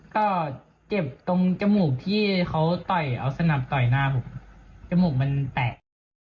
ก็เจ็บตรงจมูกที่เขาต่อยเอาสนับต่อยหน้าผมจมูกมันแปะ